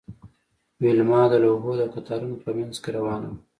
ویلما د لوحو د قطارونو په مینځ کې روانه وه